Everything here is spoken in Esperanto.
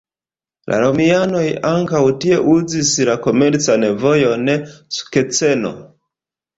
La romianoj ankaŭ tie uzis la komercan vojon "Sukceno".